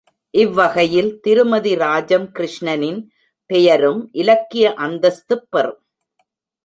இவ்வகையில் திருமதி ராஜம் கிருஷ்ணனின் பெயரும் இலக்கிய அந்தஸ்துப் பெறும்.